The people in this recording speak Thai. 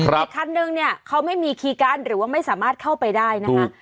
ในคันหนึ่งเขาไม่มีคีย์การหรือว่าไม่สามารถเข้าไปได้นะคะ